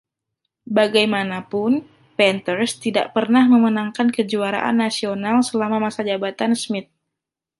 Bagaimanapun, Panthers tidak pernah memenangkan kejuaraan nasional selama masa jabatan Smith.